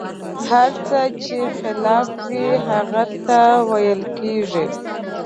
هر څه چې خلاف وي، هغه تاویل کېږي.